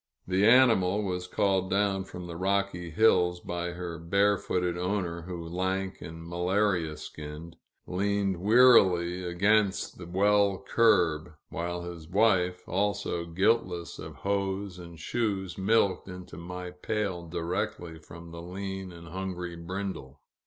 The animal was called down from the rocky hills, by her barefooted owner, who, lank and malaria skinned, leaned wearily against the well curb, while his wife, also guiltless of hose and shoes, milked into my pail direct from the lean and hungry brindle.